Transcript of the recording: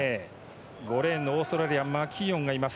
５レーン、オーストラリアマキーオンがいます。